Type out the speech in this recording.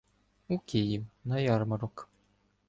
- У Київ на ярмарок.